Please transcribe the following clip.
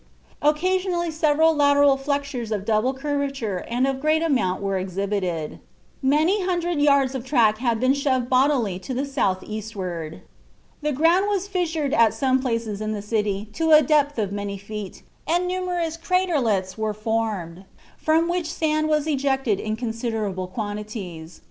Occasionally several lateral flexures of double curvature and of great amount were exhibited. Many hundred yards of track had been shoved bodily to the south eastward." The ground was fissured at some places in the city to a depth of many feet, and numerous "craterlets" were formed, from which sand was ejected in considerable quantities.